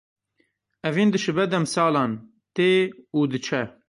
Evîn dişibe demsalan; tê û diçe.